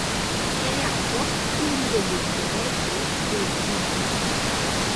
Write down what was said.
Qu’ère ath còp un modelhon de dèishes e eth Sinaí.